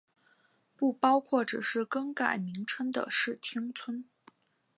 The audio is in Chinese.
不包括只是更改名称的市町村。